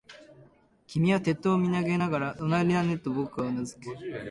君は鉄塔を眺めながら、終わりだね、と言う。僕はうなずく。